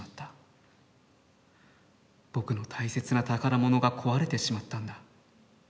僕の大切な宝物が毀れてしまったんだ。